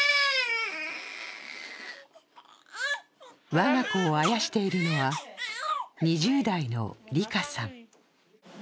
我が子をあやしているのは２０代のりかさん。